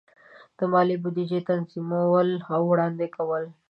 د مالی بودیجې تنظیمول او وړاندې کول.